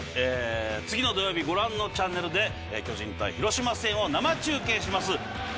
次の土曜日ご覧のチャンネルで巨人対広島戦を生中継します。